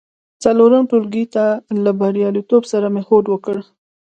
څلورم ټولګي ته له بریالیتوب سره مې هوډ وکړ.